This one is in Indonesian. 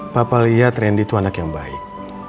papa lihat randy itu anak yang baik